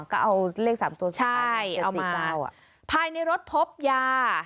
ก็เอาเลขสามตัวสุดท้ายใช่เอามาเอามาภายในรถพบยา